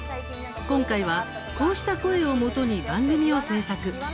今回は、こうした声をもとに番組を制作。